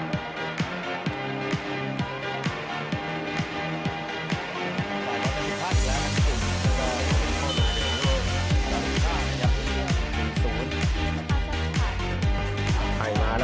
อันดับสุดท้ายของมันก็คือ